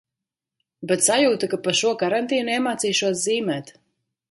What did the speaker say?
Bet sajūta, ka pa šo karantīnu iemācīšos zīmēt.